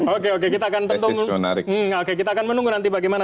oke oke kita akan menunggu nanti bagaimana